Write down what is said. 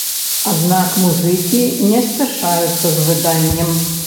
Аднак музыкі не спяшаюцца з выданнем.